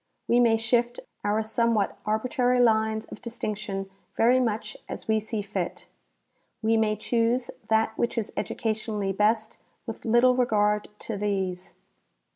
We may shift our somewhat arbitrary lines of distinc tion very much as we see fit. We may choose that which is educationally best with little regard to these.